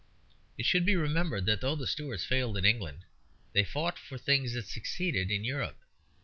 It should be remembered that though the Stuarts failed in England they fought for things that succeeded in Europe.